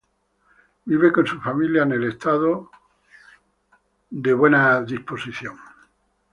Vive con su familia en el Estado de Nueva York.